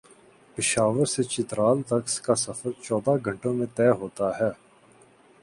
پشاورسے چترال تک کا سفر چودہ گھنٹوں میں طے ہوتا ہے ۔